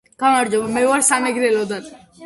გამარჯობა მე ვარ სამეგრელოდან